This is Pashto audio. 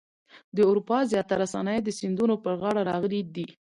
د اروپا زیاتره صنایع د سیندونو پر غاړه منځته راغلي دي.